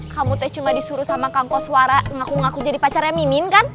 kamu cuma disuruh sama kang koswara ngaku ngaku jadi pacarnya mimin kan